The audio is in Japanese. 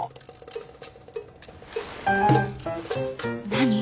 何？